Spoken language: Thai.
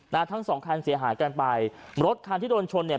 ทั้งสองคันเสียหายกันไปรถคันที่โดนชนเนี่ย